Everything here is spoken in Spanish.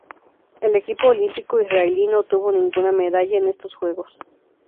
El equipo olímpico israelí no obtuvo ninguna medalla en estos Juegos.